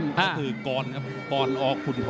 ก็คือกรนครับกรนอคุณธร